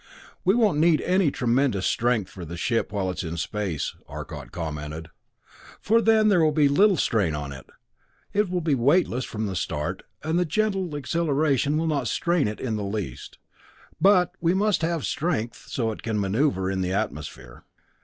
"We won't need any tremendous strength for the ship while it is in space," Arcot commented, "for then there will be little strain on it. It will be weightless from the start, and the gentle acceleration will not strain it in the least, but we must have strength, so that it can maneuver in the atmosphere.